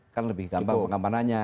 kan lebih gampang pengamanannya